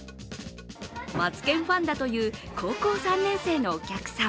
マツケンファンだという高校３年生のお客さん。